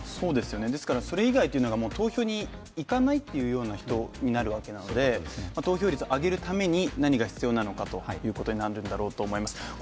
それ以外が投票に行かないという人になってくるので投票率を上げるために何が必要なのかということになるんだろうと思います。